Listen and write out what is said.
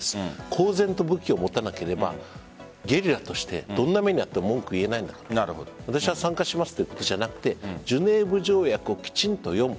公然と武器を持たなければゲリラとしてどんな目にあっても文句が言えないんだから私は参加しますということではなくてジュネーブ条約をきちんと読む。